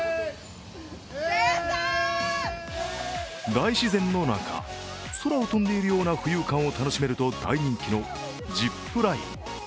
大自然の中、空を飛んでいるような浮遊感を楽しめると大人気のジップライン。